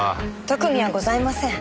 特にはございません。